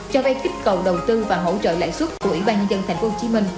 cho vay kích cầu đầu tư và hỗ trợ lãi suất của ủy ban nhân dân tp hcm